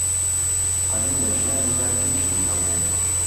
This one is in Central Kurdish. عەلی لە ژیانیدا دوو ژنی هەبوو.